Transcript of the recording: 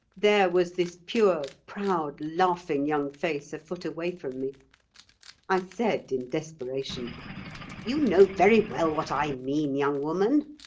There was this pure, proud, laughing young face a foot away from me. I said in desperation: "You know very well what I mean, young woman.